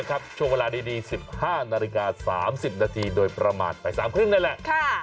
ครับช่วงเวลาเดียวดิสิบห้านาฬิกา๓๐นาทีโดยประมาณไปสามครึ่งนี่แหละค่ะ